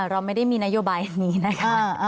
เราไม่ได้มีนโยบายอันนี้นะคะ